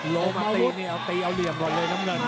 โลมัติเอาเหลี่ยมหมดเลยน้ำเลิน